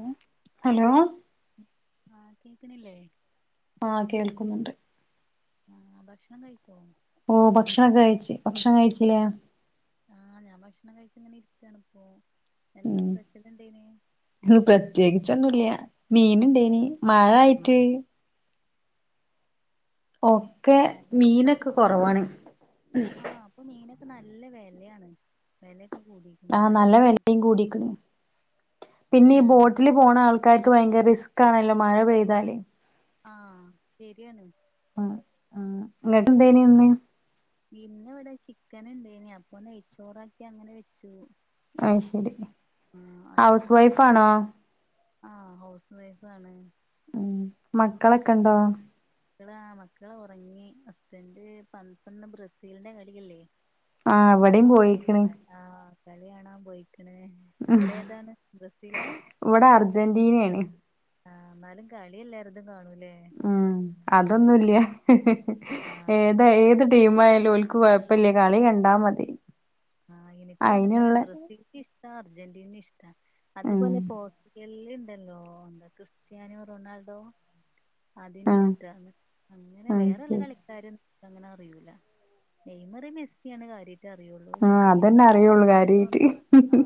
ഉം ഹലോ ആഹ് കേക്ക്‌ണില്ലേ ആഹ് കേൾക്കുന്നുണ്ട് ആഹ് ഭക്ഷണം കഴിച്ചോ ഓ ഭക്ഷണൊക്ക കഴിച്ച് ഭക്ഷണം കഴിചിലെ ണം കഴിച്ച് ങ്ങനെ ഇര്ക്കാണ് പ്പോ ഉം പ്രത്യേകിച്ചൊന്നു ല്ല്യ മീൻ ഇണ്ടേനി മഴ ആയിറ്റ്‌ ആഹ് ഒക്കെ മീനൊക്കെ കൊറവാണ് ആഹ് പ്പൊ മീനൊക്കെ നല്ല വെലെയാണ് വെല ആഹ് നല്ല വെലയ് കൂടിക്ക്‌ണ് പിന്നെ ഈ ഉം ബോട്ടില് പോണ ആൾക്കാര് ക്ക്‌ ഭയങ്കര റിസ്ക് ആണല്ലോ മഴ പെയ്താല് ആഹ് ശരിയാണ് ആഹ് ങ്ങക്ക് ന്തേ ഇന്ന് ഇവിടെ ചിക്കനുണ്ട് ആ ശരി ഹൗസ് അത്ണ്ട് വൈഫാണോ ആഹ് ഹൗസ് വൈഫാണ് ഉം മക്കളൊക്കെ ണ്ടോ ആ മക്കള് ഒറങ്ങി ഹസ്ബൻഡ് പ പ്പന്ന് ബ്രസീൽന്റെ കളില്ലേ ആ വെടെയും പോയിക്ക്‌ണ് കളിയാണൻ പോയിക്ക്‌ണ് അവിടേതാണ് ബ്രസീലാ ഇവിടെ അർജന്റീനേണ് ആ ന്നാലും കളി എല്ലാര്തും കാണൂ ലേ അതൊന്നുല്ല ഏതാ ഏത് ടീമായാലും ഓൽക്ക് കൊഴപ്പല്ല കളി കണ്ടാ മതി ആഹ് എനിക്കു അങ്ങൻ തന്നെ അയിന്ള്ളെ ബ്രസീൽക്ക് ഇഷ്ടാ അർജന്റീനെ ഇഷ്ടാ ഉം അതേപോലെ പോർച്ചുഗ ല്ല് ണ്ടല്ലോ എന്താ ക്രിസ്റ്റാന്യോ റൊണാൾഡോ അതിനെ ആഹ് ഇഷ്ടാണ് അങ്ങനെ ആഹ് വേറെള്ള ശരി കളിക്കാരും അങ്ങനെ അറിയൂല നെയ്മറി മെസ്സിയാണ് കാര്യട്ട് അറി ആ അതെന്നെ അറിയുള്ളൂ കാര്യായിറ്റ് റൊണാൾഡോ ആ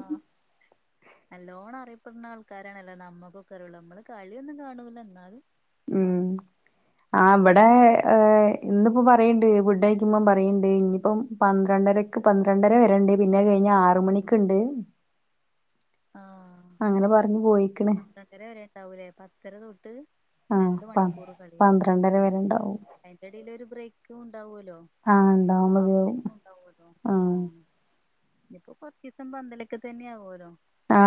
നല്ലോണം അറിയപ്പെട്ന്ന ആൾക്കാരാണല്ലോ നമ്മക്കൊക്ക അറിയുള്ളൂ നമ്മള് കളിയൊന്നും കാണൂല ന്നാലും ഉം ആ വ്ടെ അങ്ങനെയൊക്കെ ഇന്ന്പ്പോ പറിയി ണ്ട് ഫുഡ്ഡയ്ക്കുമ്പം പറിയിണ്ട് ന്നിപ്പം പന്ത്രണ്ടരക്ക് പന്ത്രണ്ടര വരെണ്ട് പിന്നെ അയ് കയ്ഞ്ഞാ ആറ് മണിക്ക് ണ്ട് ആ അങ്ങനെ പറഞ്ഞു പോയി പന്ത്രണ്ടര വരെ ണ്ടാവൂലേ പത്തര തൊട്ട് ആഹ് രണ്ട് പ മണിക്കൂറ് കളിലേ പന്ത്രണ്ടര ഉം വരെണ്ടാവും അയ്ന്റെടേല് ഒര് ബ്രേക്കുണ് ണ്ടാവൊലോ ആഹ് ഇണ്ടാവും ഹഫ് മതിയാവും ടൈമു ണ്ടാവൊലോ ആ ആഹ് ഇതിപ്പോ കൊർച്ചിസം പന്തളിക്കെ തന്നെ ആവോലോ ആ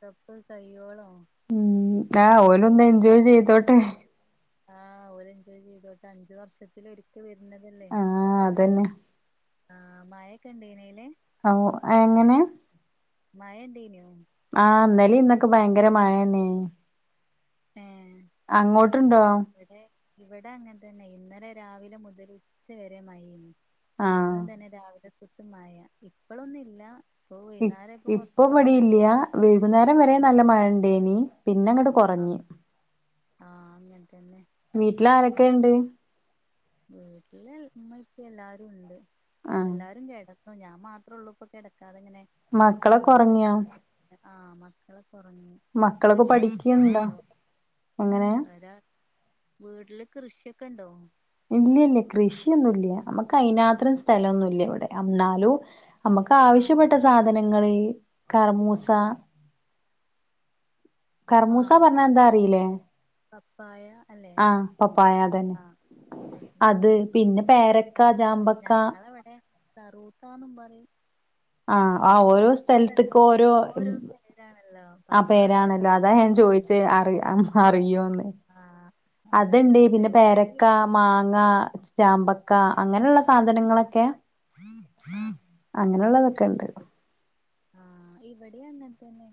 പ്പ് കയ്യോളോ ഉം ആ ഓല് ഒന്ന് എൻജോയ് ചെയ്തോട്ടെ ആഹ് ഓല് എൻജോയ് ചെയ്തോട്ടെ അഞ്ച് വർഷത്തില് ഒരിക്ക വെര് ണതല്ലേ ആഹ് അതന്നെ ആ മയൊക്കെ ണ്ടനീലെ ഓ എങ്ങനെ മയ ഇണ്ടേന്യോ ആഹ് ന്നലേ ഇന്നൊക്കെ ഭയങ്കര മഴ ന്നെ ഏഹ് വ്ടെ ഇവിട അങ്ങൻതന്നെ ഇന്നലെ രാവിലെ മുതൽ ഉച്ച വരെ മയെയ്നി ആഹ് ഇന്നും തന്നെ രാവിലെ മ്പൊത്തും മഴ ഇപ്പൊളൊന്നു ഇല്ല ഇപ്പൊ ഇ വൈകുന്നേരം കൊറച്ച് ഇപ്പൊ കുറവുണ്ട് മഴയില്ല വൈകുന്നേരം വരെ നല്ല മഴണ്ടേനി പിന്നങ്ങോട്ട് ആ കുറഞ്ഞ ആഹ് അങ്ങനെ തന്നെ വീട്ടിലാരൊക്കെ ഇണ്ട് വീട്ടില് ഇമ്മിം ഇപ്പിം എല്ലാരുണ്ട് ഇപ്പം ആഹ് എല്ലാരും കേട ഞൻ മാത്രേ ഒള്ളു ഇപ്പൊ കിടക്കാതെങ്ങനെ മക്കളൊക്കെ ഫോണില് കളിച്ചു ഒറങ്ങിയോ വിട്ടട്ട ആ മക്കളൊക്കെ ഉറങ്ങി മക്കളൊക്കെ വീട്ടില് കൃഷിയൊക്കെ പഠിക്കിണ്ടോ ഉണ്ടോ ഉം ഒരാളു വീട്ടില് കൃഷിയൊക്കെ ബണ്ടോ ഇല്ലല്ല കൃഷിയൊന്നുല്ല നമ്മക്ക് അതിനാത്രം സ്ഥലമൊന്നുല്ല ഇവിടെ എന്നാലും നമുക്ക് ആഹ് ആവശ്യപ്പെട്ട സാധനങ്ങള് കറ്മൂസ കർമൂസ ആഹ് പറഞ്ഞ എന്താ അറിയിലേ പപ്പായ അല്ലെ ആപപ്പായ അതന്നെ ആഹ് അത് പിന്നെ പേരക്ക ചക്കാ ചാമ്പക്കാ കറൂത്തന്നും പറയും ആ ആ ആഹ് ഓരോ സ്ഥലത്ത് സ്ഥലത്തക്കും ഓരോ പേരാണല്ലോ ആ പപ്പായ പേരാണല്ലോ അതാ കറൂത്ത ഞാൻ ചോയിച്ചെ അറ ആഹ് അറിയോന്ന് ആഹ് അറിയ അത്ണ്ട് പിന്നെ എവിടേക്കോ പേരക്ക മാങ്ങ ചാമ്പക്ക അങ്ങനെള്ള സാധനങ്ങളൊക്കെ ആഹ് അങ്ങനെയുള്ളതൊക്കെ ഇണ്ട്. ആ ഇവിടെ അങ്ങനെ തന്നെ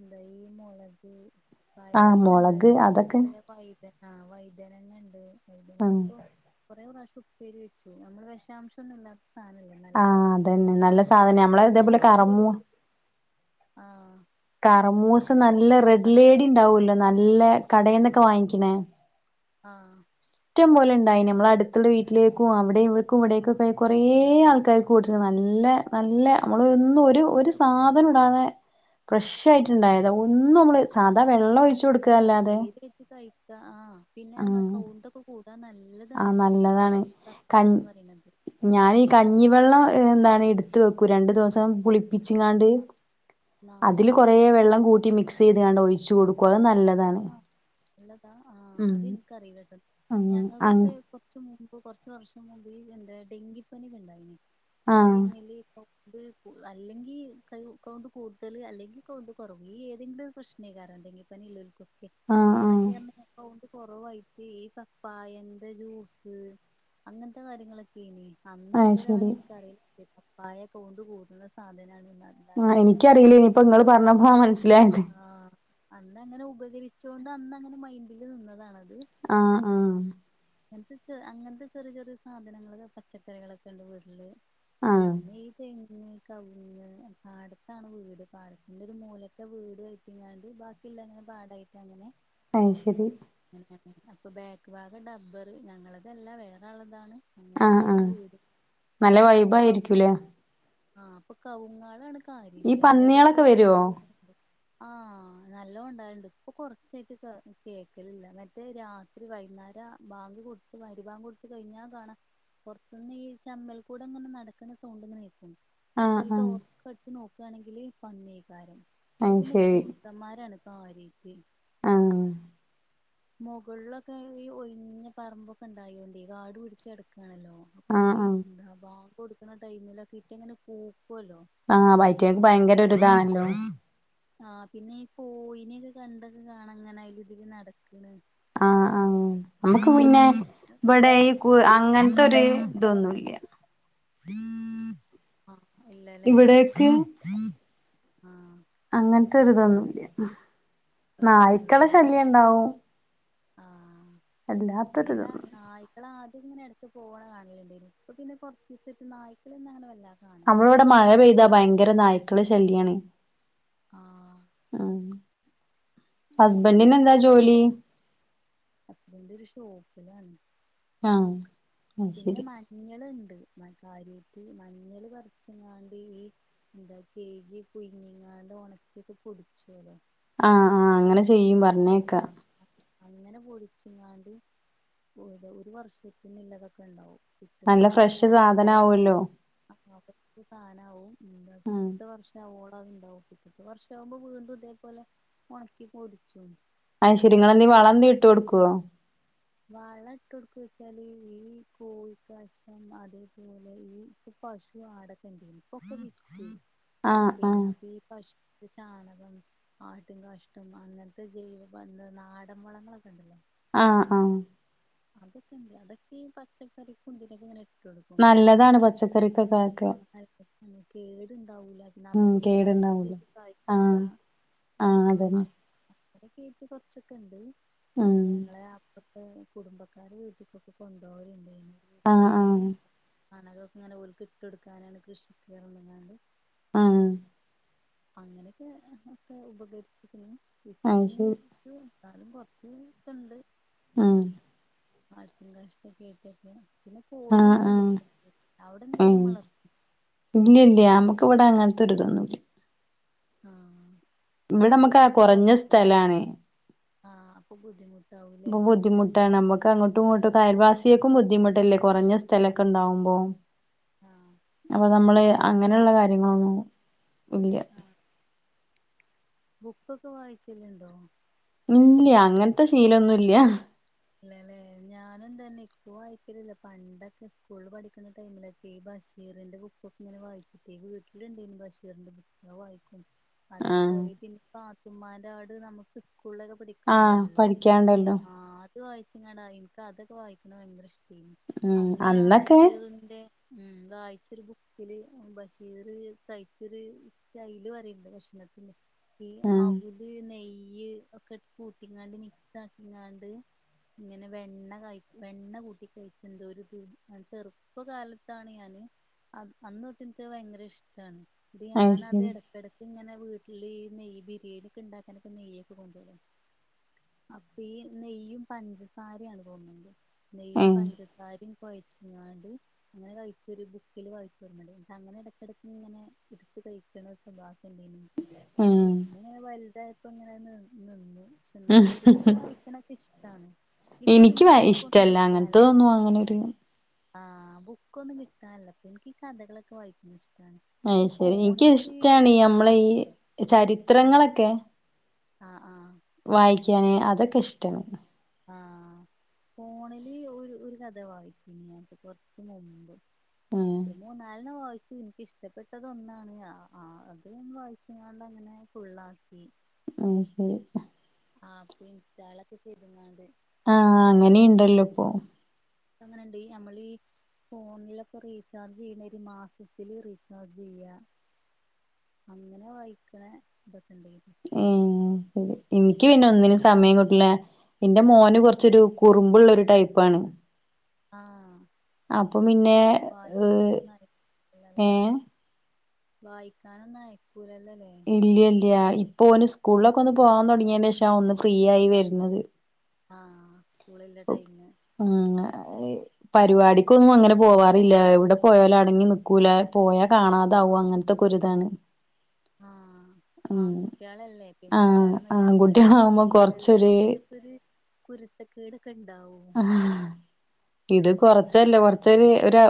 എന്താ ഈ മുളക് പയർ ആഹ് ഇപ്പം ഇണ്ടാ മുളക് അതൊക്കെ അതേപോലെ വൈതനാ വൈതനങ്ങണ്ട് ആഹ് നമ്മളിപ്പോ കൊറേ പ്രാശ്യം ഉപ്പേരി വെച്ചു. നമ്മള് വെഷാംശം ഒന്നും ഇല്ലാത്ത സാധനല്ലേ? ആ നല്ലതാണ് അതന്നെ. നല്ല സാധന. നമ്മളെ ഇതേപോലെ കറമ്മുസ [inaudible] ആാാ. കർമൂസ, നല്ല റെഡ്ലേഡി ണ്ടാവല്ലോ! നല്ല, കടയിന്നൊക്കെ വാങ്ങിക്കണേ ആഹ ഇഷ്ടം പോലെ ഇണ്ടായിനി നമ്മള അടുത്തുള്ള വീട്ടിലേക്കും അവിടെ ഇവർക്കും ഇവിടേക്കൊക്കെ ആയി കുറേ ആൾക്കാർക്ക് കൊടുത്ത് നല്ല നല്ല നല്ല നമ്മൾ ഒന്നും ഒരു ഒരു സാധനും ഇടാതെ ഫ്രഷായിട്ട്ണ്ടായതാ ഒന്നും നമ്മള് സാധാ അതാണ് വെള്ളം ഒഴിച്ചു കൊടുക്കുക നല്ലതാണ് അല്ലാതെ ധൈര്യായിട്ട് കഴിക്ക ആ ആഹ് പിന്നെന്നറഞ്ഞാ കൗണ്ടൊക്കെ കൂടും അത് ആഹ് നല്ലതാണ് നല്ലതാണ് കഞ്ഞി പപ്പായന്ന് പറിണത്. ഞാനീ കഞ്ഞിവെള്ളം എന്താണ് എട്ത്ത് വെക്കും, രണ്ടു ദിവസം പുളിപ്പിച്ചിങ്ങാണ്ട്. ആഹ് അതില് കൊറേ വെള്ളം കൂട്ടി മിക്സ് ചെയ്താണ്ട് ഒഴിച്ചു കൊടുക്കും അതാ നല്ലത് ആഹ നല്ലതാ ആ അത്ൻക്ക് അറീലട്ടന്നാ ഉം ആഹ് ഞങ്ങൾക്കൊക്കെ കൊറച്ച് മുമ്പ്, കൊറച്ച് വർഷം മുമ്പ് എന്താ ഡെങ്കിപ്പനിക്കണ്ടായിനിലെ? ആ ആഹ് ടൈമില് ഇപ്പൊ [inaudible] ഇത് അല്ലെങ്കിൽ കൈ കൗണ്ട് കൂടുതൽ അല്ലെങ്കിൽ കൗണ്ട് കൊറവ് ഈ ഏതെങ്കിലൊരു പ്രശ്നൈകാരം ഡെങ്കി പനില്ലോൽകൊക്കെ, ആഹ് അന്നൊക്കെറഞ്ഞാൽ കൗ [unintelligible] കുറവായിട്ട് ഈ പപ്പായന്റെ ജ്യൂസ് അങ്ങനത്തെ കാര്യങ്ങളൊക്കെനി അന്ന് ആഹ് മുതലാണ് ശരി എനിക്കറിയ ലൊട്ത്തിയെ, പപ്പായ കൗണ്ട് കൂട്ണ സാധനാണ്ന്ന്. അല്ലാതെ ആ നമ്മക്കങ്ങനെ എനിക്കറിയിലേനി അറിയൊന്നില്ല ഇപ്പോ ഇങ്ങള് പറഞ്ഞപ്പോ മനസ്സിലായത് അന്ന് അങ്ങനെ ഉപകരിച്ചൊണ്ട് അന്ന് അങ്ങനെ മൈൻഡില് നിന്നതാണ്ണത് ആ, ആ. അങ്ങനത്തെ ചെ, അങ്ങനത്തെ ചെറിയ, ചെറിയ സാധനങ്ങൾ, പച്ചക്കറികളൊക്കെ ഇണ്ട് വീട്ടില്. ആഹ് പിന്നെ ഇ തെങ്ങ് പിന്നെ ഈ കവുങ്ങ് പാടത്താണ് വീട് പാടത്തിന്റെ ഒരു മൂലക്കൽ വീട് കയറ്റിക്കാണ്ട് ബാക്കി ല്ലങ്ങനെ പാടായിട്ട് അങ്ങനെ അയ് ശരി അപ്പൊ ബാക്ക് ഭാഗം റബ്ബറ്, ഞങ്ങളതല്ല വേറാള്താണ്. ആഹ ആഹ നല്ല ഇപ്പൊ കവു വൈബായിരിക്കൂലേ ആഹ് അപ്പൊ കവുങ്ങാള് എട [unintelligible] ഈ പന്നീളൊക്കെ വെരോ ആഹ നല്ലോം ഇണ്ടാവല്ണ്ട് ഇപ്പൊ കൊറച്ചായിട്ട് കേക്കലില്ല മറ്റേ രാത്രി വൈകുന്നേരം ബാങ്ക് കൊടുത്ത്, മഗിരിബാങ്ക് കൊട്ത്ത കഴിഞ്ഞാ കാണാ. പുറത്തുന്നീ ചമ്മൽ കൂടെ ഇങ്ങനെ നടക്കുന്ന സൗണ്ടങ്ങനെ കേൾക്കും അപ്പൊ ആഹ് ഈ ആഹ് ടോർച്ചൊക്കെ അടിച്ച് നോക്കുആണെങ്കില് പന്നിയാക്കാരം. ഇപ്പ അത് പിന്നെ കുറുക്കന്മാരാണ് കാര്യായിട്ട്. ആ മുകളിലൊക്കെ ഈ ഒയിഞ്ഞ പറമ്പൊക്കെ ഇണ്ടായോണ്ടേ കാട് പിടിച്ചടക്ക ആ ആ കൊടുക്കണ ടൈമിലൊക്കെ ഇപ്പൊ എങ്ങനെ പൂ ആ വൈറ്റേക്ക് ഭയങ്കരൊരിതാണല്ലോ. ആ പിന്നെ ഈ കോഴിനെയൊക്കെ കണ്ടൊക്കെ കാണ് അങ്ങനെ അയിലെ ഇതിലെ നടക്കണ്. ആ ആ നമ്മുക്ക് പിന്നെ അതൊക്കെ ഇവിടെ ഈ കൂ ആ അങ്ങനത്തെരു ഇതൊന്നുല്ല ആഹ് ഇല്ലല്ലേ ഇവിടെക്കെ ആഹ് അങ്ങ രുതൊന്നുമല്ല നായ്ക്കള പ്രശ്നല്ലല്ലേ ശല്യം ഉണ്ടാവും ഇവടെ അല്ലാത്തൊരിതൊന്നും നായ്ക്കള് ആദ്യം ഇങ്ങനെ പോവണ കാണലുണ്ടേ ഇപ്പ പിന്നെ കുറച്ച് ദിവസായിട്ട് നായ്ക്കളൊന്ന അങ്ങനെ വല്ല നമ്മളിവിടെ മഴ പെയ്താ ഭയങ്കര നായ്ക്കള് ശല്യയാണേ ആ ഉം ഹസ്ബന്റിന് ഇവിടെ എന്താ ജോലി ഹസ്ബന്റ് ഒരുഷോപിലാണ് ആ പിന്നെ മഞ്ഞൾളിണ്ട് മ കാര്യട്ട് മഞ്ഞൾ കുറച്ചങ്ങാണ്ട് ഈ എന്ത കുഞ്ഞങ്ങാണ്ട് ഉണക്കിട്ട് പൊടിച്ചു അതോ ആ ആ അങ്ങനെ ചെയ്യും പറഞ്ഞേക്കാ ആഹ് അങ്ങനെ പൊടിച്ചിങ്ങാണ്ട് ഒരു വർഷത്തിന്നുള്ളതൊക്കെ ഉണ്ടാവും നല്ല ഫ്രഷ് സാധനം ആവല്ലോ അപ്പ അവർക്ക് സാധനവും ആഹ് പിറ്റത്തെ വർഷം ആവുള്ളു [unintelligible] ണ്ടാവുംട്ട് വർഷ ആകുമ്പോ വീണ്ടും ഇതേപോലെ ഉണക്കി പൊരിച്ചും അ് ശെരി നിങ്ങൾ നീ വളംതി ഇട്ടു കൊടുക്കുവോ വളം ഇട്ട്കൊടുക്കു ചോദിച്ചാൽ കോഴിക്കാഷം അതേപോലെ ഈ പശു ആടൊക്കെ ഉണ്ടനി ഇപ്പൊക്കെ വിറ്റു അത് ആഹ് ഇണ്ടനി ആഹ് ഈ പശു ചാണകം ആട്ടും കഷ്ടം അങ്ങനത്തെ ജൈവംന്ന നാടൻ വുളങ്ങളൊക്കെ ഉണ്ടല്ലോ ആ ആ അതൊക്കെ ഇണ്ട് അതൊക്കെ ഈ പച്ചക്കറി കുന്ലൊക്കെ ഇങ്ങെ ഇടും നല്ലതാണ് പച്ചക്കറിക്കൊക്കെ ആകെ അന്നെ കേടുണ്ട് താവുല്ല നമു കേടുണ്ടാവൂല ആഹ് ആഹ് [unintelligible] അതന്നെ ആ കുറച്ചൊക്കെ ഉണ്ട് ഉം പിന്നെ ഞങ്ങള അപ്പ കുടുംബക്കാാര് വീട്ടിക്കൊക്കെ കൊണ്ട് ആഹ് പോക്കല് ആഹ് [unintelligible] അണകൊക്കെ ഇങ്ങനെ ഒക്ക് ഇട്ട് കൊടുക്കാനാണ് കൃഷിക്കറങ്ങാണ്ട് ആ അങ്ങനെയൊക്കെ ഒക്കെ ഉപകരിച്ചിരിക്കുന്നു ഇപ്പൊ അത് പിന്നെ ശരി വി എന്നാലും കൊറച്ച് ഇണ്ട് ആ [inaudible] പിന്നെ ആഹ് കോയിന്നേള്ളൂ ആഹ് അവിടെ എന്തേലും വളർത്തി നമുക്ക് ഇവിടെ അങ്ങനത്തെരിതൊന്നുല്ല ആ ഇവിടെ നമക്ക് കുറഞ്ഞ സ്ഥലാണ് ആഹ് അപ്പൊ ബുദ്ധിമുട്ടാവൂലേ ഇപ്പ ബുദ്ധിമുട്ടാണ് നമ്മക്ക് അങ്ങോ അങ്ങൊട്ടും ഇങ്ങട്ടൊക്കയൽവാസിയക്കും ബുദ്ധിമുട്ടല്ലേ കുറഞ്ഞ സ്ഥലൊക്കെ ഉണ്ടാവുമ്പോ. ആഹ് അപ്പൊ നമ്മള് അങ്ങനെ ഉള്ള കാര്യങ്ങള് ഒന്നും ഇല്ല ആഹ് ബുക്കൊക്കെ വായിക്കലുണ്ടോ? ഇല്ല അങ്ങനത്തെ ശീലൊന്നുല്ല്യ അല്ലല്ലെ ഞാനും തന്നെ ഇപ്പൊ വായിക്കലില്ല. പണ്ടൊക്കെ സ്കൂള് പഠിക്കുന്ന ടൈമിലക്കെ ഈ ഭാഷ ബഷീറിന്റെ ബുക്കൊക്കെ ഇങ്ങനെ വായിച്ചിട്ടെ വീട്ടിലുണ്ടേനും ബഷീറിന്റെ ബുക്ക് അത് വായിക്കും ആഹ് അതേപോലെ പിന്നെ പാത്തുമ്മാന്റെ ആട് നമുക്ക് സ്കൂൾലൊക്കെ ആഹ് പഠിക്കാണ്ടേനല്ലോ പഠിക്കാണ്ടല്ലോ ആ അത് വായിച്ചങ്ങാണ്ട് എനക്ക് അതൊക്കെ വായിക്കണ ഭയങ്കര ഇഷ് ഉം അന്ന് ഞാ അന്നൊക്കെ ബഷീറിന്റെ ഉം വായിച്ചരു ബുക്കില് ബഷീർ കഴിച്ചൊരു സ്റ്റൈല് പറയണ്ട് ഭക്ഷണ പിന്നെ ഈ ഉം അവല് നെയ്യ് ഒക്കെ കൂട്ടിങ്ങാണ്ട് മിക്സ് ആക്കിങ്ങാണ്ട് ഇങ്ങനെ വെണ്ണ ക വെണ്ണ കൂട്ടി കഴിച്ച എന്തോ ഒരു ചെറുപ്പകാലത്താണ് അന്ന് അന്ന്തൊട്ട് എനിക്ക് ഭയങ്കര ഇഷ്ട്ടാണ്. എന്നിട്ട് അത് ഞാനത് ശരി ഇടക്കടക്ക് ഇങ്ങനെ വീട്ടില് ഈ നെയ്യ് ബിരിയാണി ഒക്കെ ഉണ്ടാക്കാനൊക്കെ നെയ്യ ഒക്കെ കൊണ്ടെരു അപ്പ ഈ നെയ്യും പഞ്ചസാരയാണ് തോന്നുണ്ട് നെയ്യും ഉം പഞ്ചസാരം കൊയിച്ചങ്ങാണ്ട് അങ്ങനെ കഴിച്ചൊര് ബുക്കില് വായിച്ച ഓർമണ്ട് അങ്ങനെ ഇടക്കടക്ക് ഇങ്ങനെ എടുത് കഴിക്കണ സ്വഭാവണ്ടീനിഎനിക്ക്. ഉം പിന്നെ വലുതായപ്പം ഇങ്ങനെ നിന്ന്. പക്ഷെ ഉം എന്നാലും ബുക്ക് വായിക്കണൊക്കെ ഇഷ്ടാണ്. ഇപ്പൊ എനിക്ക് പിന്നെ വ ബുക്കൊന്നും ഇഷ്ടല്ല അങ്ങനത്തോ കിട്ടാനില്ല ന്നും അങ്ങനൊരു ആഹ് ബുക്കൊന്നും കിട്ടാനല്ലപ്പൊ എനിക്ക് കഥകളൊക്കെ വായിക്കുന്ന ഇഷ് അത് ശരി എനിക്ക് ഇഷ്ടാണ് ഞമ്മളെ ആപ്പ് ഈ ഉണ്ട് ചരിത്രങ്ങളൊക്കെ ആ ആ ക്കാന് അതൊക്കെ ഇഷ്ട്ടാണ് ആ ഫോണില് ഒരു ഒരു കഥ വായിച്ചു ഞാൻ ഇപ്പൊ കൊർച്ച് മുമ്പ് ഉം പിന്നെ നാലെണ്ണം വായി ച്ച് എനിക്കിഷ്ടപ്പെട്ടത് ഒന്നാണ് ആ ആ അത് വായിച്ചങ്ങാണ്ട് അങ്ങനെ ഫുള്ളാക്കി. അത് ശെരി ആ അപ്പൊ ഇൻസ്റ്റാൾ ഒക്കെ ചെയ്തുങ്ങാണ്ട് ആ അങ്ങനെയുണ്ടല്ലോ ഇപ്പൊ അങ്ങനെണ്ട് ഞമ്മളീ ഫോണിലൊക്കെ റീചാർജ് ചെയ്യ്ണൊരീ ഒരു മാസത്തില് റീചാർജ് ചെയ്യാ. അങ്ങനെ വായിക്കണ ഇതൊക്കെ ഇണ്ടേ ഉം എനിക്ക് പിന്നെ ഒന്നിനും സമയം കിട്ടില്ല എന്റെ മോന് കുറച്ചൊരു കുറുമ്പുള്ളൊരു ടൈപ്പാണ് ആ അപ്പൊ പിന്നെ ഏ വാഴിക്കാനൊന്നയ് ഇല്ല ഇല്ല്യാ ഇപ് ഇപ്പോ ഓന് സ്കൂളിലൊക്കെ ഒന്ന് പോകാൻ തുടങ്ങിയതിന് ശേഷ ആ ഒന്ന് ഫ്രീ ആയി വരുന്നത് ആഹ സ്കൂളില്ല ടൈമിന് ഉം പരിപാടിക്കൊന്നും അങ്ങന പോവാറില്ല എവിടെ പോയാലോ അടങ്ങി നിൽക്കൂല പോയാ കാണാതാവും അങ്ങനത്തെൊക്കെ ഒരിതാണ് ആഹ ഉം ആൺകുട്ടികളല്ലേ ആഹ് പെൺകുട്ടികളെ മരി അങ്ങനെ ആൺകുട്ടികളാവുമ്പോ അടങ്ങിക്കൂലല്ലോ കൊറച്ചൊരു കൊറച്ചക്കെ ഒരു കുരുത്തക്കീട് ആഹ ഇത് അപ്പൊ കൊറച്ചല്ലേ കൊറച്ച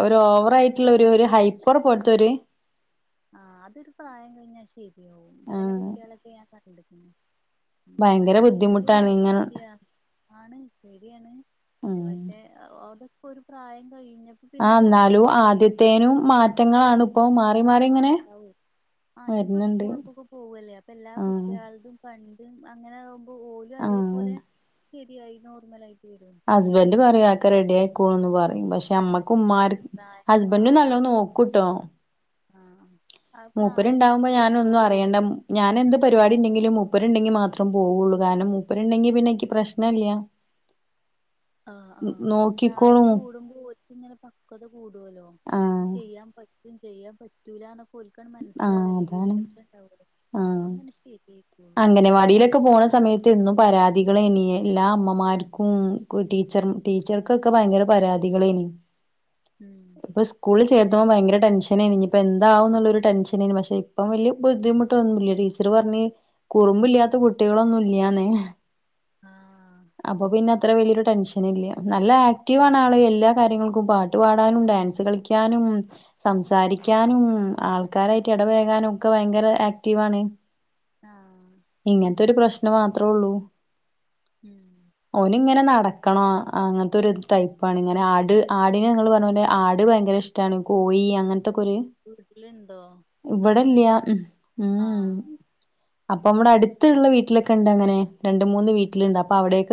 ഒരു ഓവർ ആയിട്ടുള്ള ഒരു ഒരു ഹൈപ്പർ പോൽത്തൊരു ആഹ അതൊരു പ്രായം കഴിഞ്ഞാൽ ശരിയാവും ചെില ആഹ് കുട്ടികളൊക്കെ ഞാൻ കണ്ടെക്കുണ് എന്താ ഭയങ്കര ബുദ്ധിമുട്ടാണ് ഇങ്ങനെ വികൃത്തിയാണ് ആണ് ശരിയാണ് ഉം പക്ഷെ അതൊക്കെ ഒരു പ്രായം കഴിഞ്ഞപ്പോ ആ പിന്നെ ഓലൊക്കെ എന്നാലും ശരിയായി ആദ്യത്തേനും മാറ്റങ്ങളാണ് ഇപ്പൊ ആട്ട ആ ഇനിയിപ്പോ വരുന്നുണ്ട് സ്കൂളക്കൊക്കെ പോവല്ലേ അപ്പൊ എല്ലാ ആഹ് കുട്ടികളും കണ്ട് അങ്ങനെ ആകുമ്പോ ഓലും ആഹ് അതേപോലെ ശെരിയായി നോർമലയിട്ട് ഹസ്ബൻഡറ് പറയാക്കെ റെഡി ആയിക്കോണന്ന് പറു പക്ഷെ ആഹ് അമ്മക്ക് ശരിയാവും ഉുമ്മാർ പ്രായം ഹസ്ബൻഡും നല്ലോ നോക്കൂട്ടോ ആഹ മൂപ്പരു ഉണ്ടാവുമ്പോ ഞാനൊന്നും അറിയേണ്ട ഞാനെ എന്ത് പരിപാടി ഉണ്ടെങ്കിലും മൂപ്പരു ഉണ്ടെങ്കി മാത്രം പോവുള്ളൂ കാരണം മൂപ്പരുണ്ടെങ്കി പിന്നെ എനിക്ക് പ്രശ്നമല്ല ആഹ് ആഹ പ്രായം കൂടുമ്പോ ഓൽ ക്ക് ഇങ്ങനെ പക്വത കൂടുല്ലോ ഇതു ആഹ് ചെയ്യാൻ പറ്റ എന്നിട്ടും ചെയ്യാൻ പറ്റൂലന്നൊക്കാണ് ആഹ് മനസ്സിലാകല്ലേ അതാണ് വിവരം ഒന്നും ആഹ് ഉണ്ടാവില്ല അംഗനവാടിയിലൊക്കെ പോകുന്ന സമയത്ത് എന്നും പരാതികൾ ഇനി എല്ലാ ആഹ് അമ്മമാർക്കും ടീച്ചർക്കൊക്കെ ഭയങ്കര ഉം പരാതികൾഇപ്പോ സ്കൂളിൽ ചേർന്ന്പോൾ ഭയങ്ക ടെൻഷനായി ഇനി ഇപ്പോ എന്താവന്നുള്ള ഒരു ടെൻഷനായിരുന്നു പക്ഷെ ഇപ്പോൾ വലിയ ബുദ്ധിമുട്ടൊന്നുമില്ല ടീച്ചറും പറ കുറുമ്പില്ലാത്ത കുട്ടികളൊന്നും ഇല്ലന്നേ ആഹ് അപ്പൊ പിന്നെ അത്ര വലിയൊരു ടെൻഷന ഇല്ല നല്ല ആക്റ്റീവാണ് ആള് എല്ലാ കാര്യൾക്കും പാട്ട് പാടാനും ഡാൻസ് കളിക്കാനും ഉ സംസാരിക്കാനും ആൾക്കാരായിട്ട് ഇടപേയകനും ഒക്കെ ഭയങ്കര ആക്റ്റീവാണ് ആഹ് ഇങ്ങനത്തെൊ ഒരു പ്രശ്നം മാത്രേ ഉള്ളൂ ഉം ഓന് അത് ഇങ്ങനെ ശരി നടക്കണോ അങ്ങനത്തെൊ ഒരു ടൈപ്പാണ് ഇങ്ങനെ ആട് ആടിനെ ഞങ്ങൾ പറഞ്ഞ പോലെ ആട് ഭയങ്കര ഇഷ്ടമാണ് കോഴി അങ്ങനെ അത്തകുറി വീട്ടിലുണ്ടോ ഇവിടെല്ലയ ഉണ്ടാവൂലല്ലേ ഉ ആഹ് അപ്പൊ നമ്മടെ അടുത്തുള്ള വീട്ടിലൊക്കെ ഉണ്ട് അങ്ങനെ രണ്ട മൂന്ന് വീട്ടിലുണ്ട് അപ്പൊ അവിടെയൊക്കെ